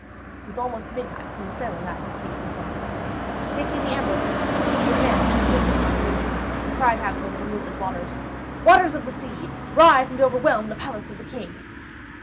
It was almost midnight when the sailor lad received the warning. Taking the emerald with him, he advanced to a window by the ocean, and cried out over the moonlit waters, "Waters of the Sea, rise and overwhelm the palace of the King!"